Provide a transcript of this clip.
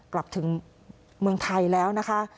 กลับถึงเมืองไทยแล้วนะคะ